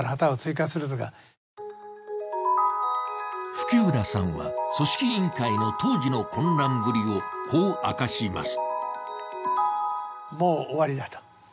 吹浦さんは、組織委員会の当時の混乱ぶりを、こう明かします。